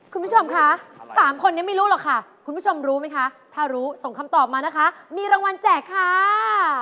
คุณผู้ชมคะสามคนนี้ไม่รู้หรอกค่ะคุณผู้ชมรู้ไหมคะถ้ารู้ส่งคำตอบมานะคะมีรางวัลแจกค่ะ